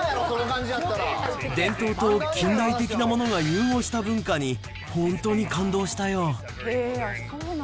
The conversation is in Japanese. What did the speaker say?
伝統と近代的なものが融合した文化に、本当に感動したよ。